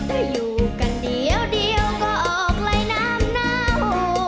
แต่อยู่กันเดียวก็ออกไหลหนามนาว